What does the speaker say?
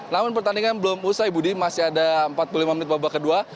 namun pertandingan belum usai budi masih ada empat puluh lima menit babak kedua